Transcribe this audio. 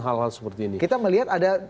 hal hal seperti ini kita melihat ada